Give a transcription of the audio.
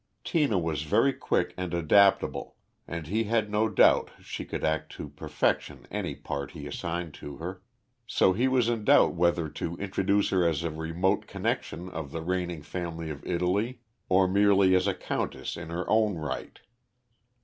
Tina was very quick and adaptable, and he had no doubt she could act to perfection any part he assigned to her, so he was in doubt whether to introduce her as a remote connexion of the reigning family of Italy, or merely as a countess in her own right.